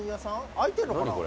開いてんのかな。